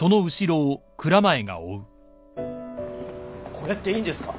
これっていいんですか？